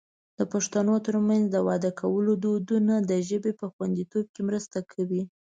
د پښتنو ترمنځ د واده کولو دودونو د ژبې په خوندیتوب کې مرسته کړې.